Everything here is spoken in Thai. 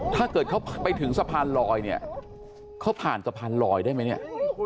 ถ้าเกิดเขาไปถึงสะพานลอยเนี่ยเขาผ่านสะพานลอยได้ไหมเนี่ย